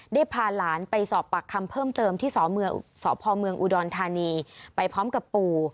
ได้พาหลานไปสอบปากคำเพิ่มเติมที่สพเมืองอุดรธานีไปพร้อมกับปู่